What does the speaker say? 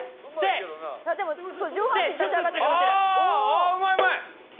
ああうまいうまい！